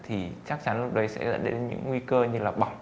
thì chắc chắn lúc đấy sẽ dẫn đến những nguy cơ như là bỏng